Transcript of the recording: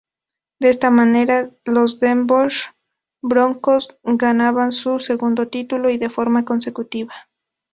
De esta manera los Denver Broncos ganaban su segundo título y de forma consecutiva.